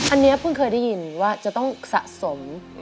อันนี้เพิ่งเคยได้ยินว่าจะต้องสะสม